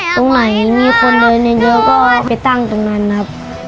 ตรงไหนมีคนเดินเยอะก็ไปตั้งตรงนั้นครับ